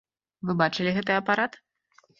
Вы бачылі гэты апарат?!